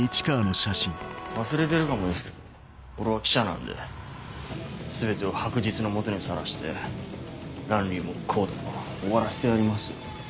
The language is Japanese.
忘れてるかもですけど俺は記者なんで全てを白日の下にさらしてランリーもＣＯＤＥも終わらせてやりますよ。